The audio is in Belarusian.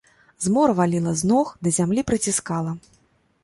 Змора валіла з ног, да зямлі прыціскала.